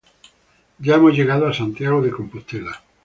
Ya hemos llegado a Santiago de Compostela.